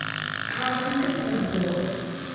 Ɛerqen-as lehdur.